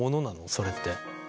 それって。